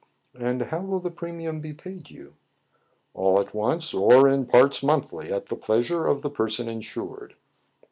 " And how will the premium be paid you }"" All at once, or in parts monthly, at the pleas ure of the person insured."